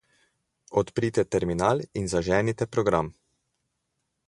Odprite terminal in zaženite program.